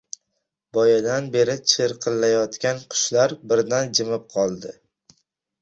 Boyadan beri chirqillayotgan qushlar birdan jimib qoldi.